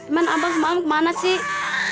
man abang mau kemana sih